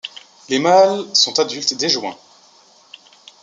Les mâles sont adultes dès juin.